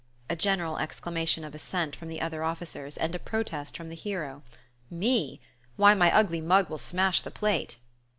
A general exclamation of assent from the other officers, and a protest from the hero: "Me? Why, my ugly mug will smash the plate!"